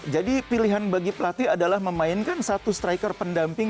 pilihan bagi pelatih adalah memainkan satu striker pendamping